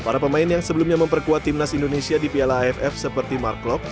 para pemain yang sebelumnya memperkuat timnas indonesia di piala aff seperti mark klop